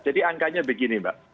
jadi angkanya begini mbak